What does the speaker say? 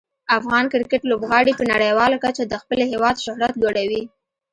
افغان کرکټ لوبغاړي په نړیواله کچه د خپل هیواد شهرت لوړوي.